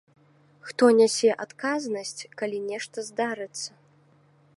Хто нясе адказнасць, калі нешта здарыцца?